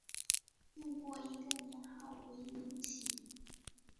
用过一个年号为明启。